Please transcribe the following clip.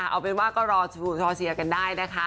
เอาเป็นว่าก็รอเชียร์กันได้นะคะ